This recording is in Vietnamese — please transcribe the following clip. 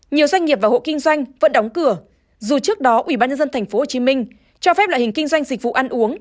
nhiều doanh nghiệp và hộ kinh doanh vẫn đóng cửa dù trước đó ubnd tp hcm cho phép loại hình kinh doanh dịch vụ ăn uống